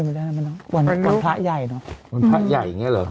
มึงก็เป็นแบบนั้นมั้ยเนอะวันพระใหญ่เนอะวันพระใหญ่อย่างเงี้ยเหรอ